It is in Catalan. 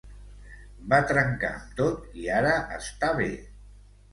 Va trencar amb tot i ara està bé.